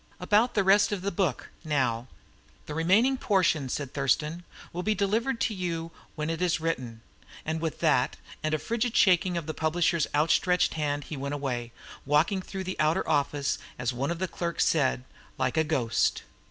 About the rest of the book, now " "The remaining portion," said Thurston, "will be delivered to you when it is written." And with that and a frigid shaking of the publisher's outstretched hand he went away, walking through the outer office, as one of the clerks said, like a ghost.